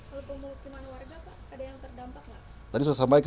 kalau pemukiman warga pak ada yang terdampak pak